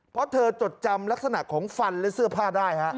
เพราะเธอจดจำลักษณะของฟันและเสื้อผ้าได้ฮะ